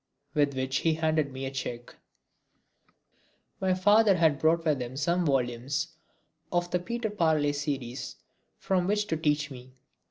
With which he handed me a cheque. My father had brought with him some volumes of the Peter Parley series from which to teach me.